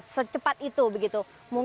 secepat itu begitu